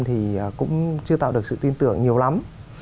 thì cũng chưa tạo được sự tin tưởng nhiều lắm